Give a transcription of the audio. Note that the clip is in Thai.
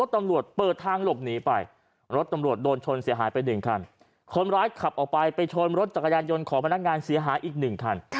ตำรวจโดนชนเสียหายไป๑คันคนร้ายขับออกไปไปชนรถจักรยานยนต์ของพนักงานเสียหายอีก๑คัน